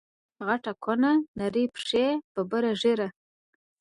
لویه خیټه غټه کونه، نرۍ پښی ببره ږیره